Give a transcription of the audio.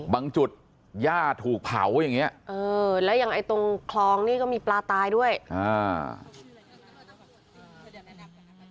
บางจุดย่าถูกเผาอย่างเงี้ยเออแล้วยังไอ้ตรงคลองนี่ก็มีปลาตายด้วยอ่า